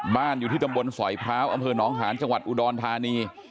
อยู่ที่ตำบลสอยพร้าวอำเภอน้องหานจังหวัดอุดรธานี